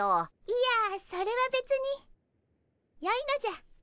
いやそれはべつによいのじゃ。